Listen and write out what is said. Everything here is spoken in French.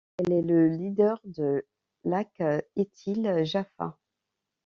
Elle est le leader de l'Hak Ityl Jaffa.